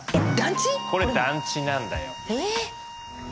これ団地なんだよ。えっ！？